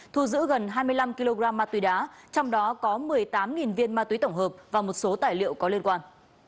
thu giữ gần hai mươi năm kg ma túy đá trong đó có một mươi tám viên ma túy tổng hợp và một số tài liệu có liên quan